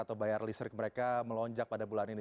atau bayar listrik mereka melonjak pada bulan ini